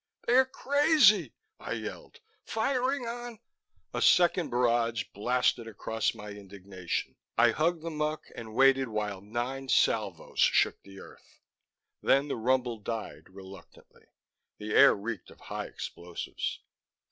"They're crazy," I yelled. "Firing on " A second barrage blasted across my indignation. I hugged the muck and waited while nine salvoes shook the earth. Then the rumble died, reluctantly. The air reeked of high explosives.